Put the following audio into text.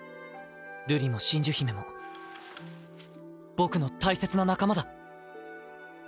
瑠璃も真珠姫も僕の大切な仲間だ。